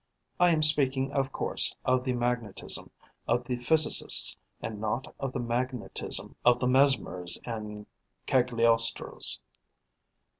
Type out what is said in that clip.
I am speaking, of course, of the magnetism of the physicists and not of the magnetism of the Mesmers and Cagliostros.